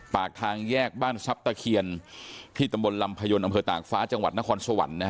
ปากทางแยกบ้านทรัพย์ตะเคียนที่ตำบลลำพยนต์อำเภอตากฟ้าจังหวัดนครสวรรค์นะฮะ